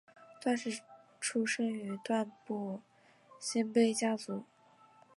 段氏出身于段部鲜卑家族。